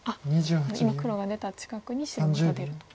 今黒が出た近くに白また出ると。